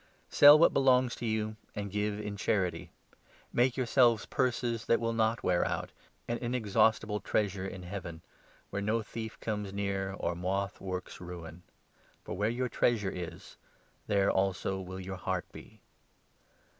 Sell what belongs to you, and give in 33 The true charity. Make yourselves purses that will not Treasure, wear out — an inexhaustible treasure in Heaven, where no thief'comes near, or moth works ruin. For where your 34 treasure is, there also will your heart be.